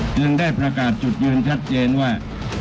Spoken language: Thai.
จึงได้ประกาศจุดยืนชัดเจนว่า